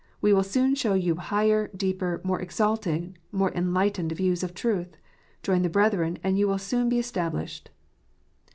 We will soon show you higher, deeper, more exalting, more enlightened views of truth. Join the Brethren, and you will soon be established."